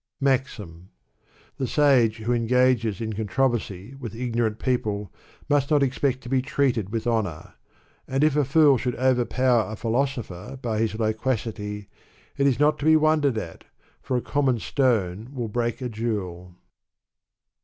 The sage who engages in controversy with ignorant people must not expect to be treated with honor; and if a fool should overpower a philosopher by his loquacity, it is not to be wondered at, for a common stone will break a jewel.